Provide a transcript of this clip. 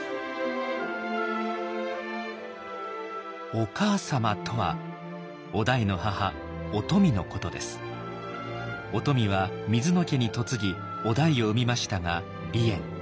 「お母様」とは於富は水野家に嫁ぎ於大を生みましたが離縁。